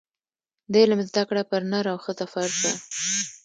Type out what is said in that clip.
د علم زده کړه پر نر او ښځه فرض ده.